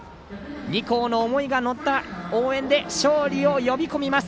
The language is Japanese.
２校の思いが乗った応援で勝利を呼び込みます。